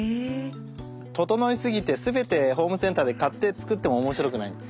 ととのいすぎてすべてホームセンターで買って作っても面白くない。